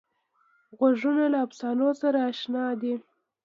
غوږونه له افسانو سره اشنا دي